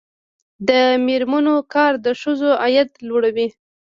د میرمنو کار د ښځو عاید لوړوي.